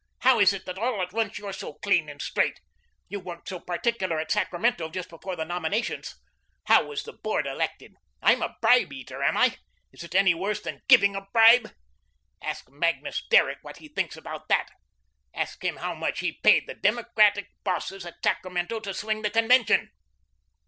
How is it that all at once you're so clean and straight? You weren't so particular at Sacramento just before the nominations. How was the Board elected? I'm a bribe eater, am I? Is it any worse than GIVING a bribe? Ask Magnus Derrick what he thinks about that. Ask him how much he paid the Democratic bosses at Sacramento to swing the convention."